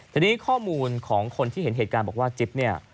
ทีนี้ข้อมูลของคนที่เห็นเหตุการณ์บอกว่าจิ๊บเนี่ย